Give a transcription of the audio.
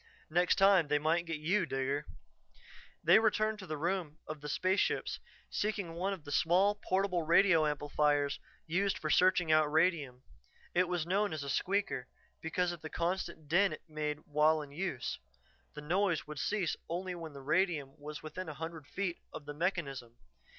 Next time they might get you, Digger." They returned to the room of the spaceships, seeking one of the small, portable radio amplifiers used for searching out radium. It was known as a "squeaker" because of the constant din it made while in use; the noise would cease only when radium was within a hundred feet of the mechanism.